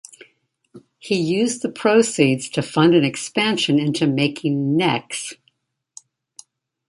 He used the proceeds to fund an expansion into making necks.